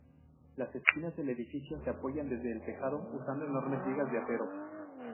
Las esquinas del edificio se apoyan desde el tejado usando enormes vigas de acero.